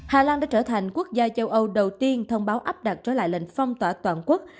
hà lan đã trở thành quốc gia châu âu đầu tiên thông báo áp đặt trở lại lệnh phong tỏa toàn quốc